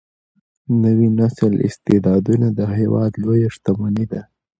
د نوي نسل استعدادونه د هیواد لویه شتمني ده.